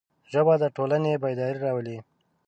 ژبه د ټولنې بیداري راولي